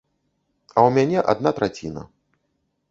А ў мяне адна траціна.